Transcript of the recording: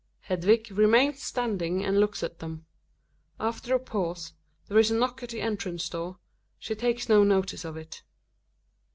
Hedvig remains standing and looks at them. After a pause there is a knock at the entrance door; she takes no notice of it.